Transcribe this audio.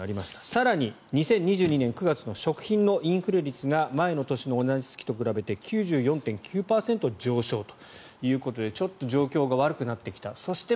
更に、２０２２年９月の食品インフレ率が前の年の同じ月と比べて９４．９％上昇ということでちょっと状況が悪くなってきました。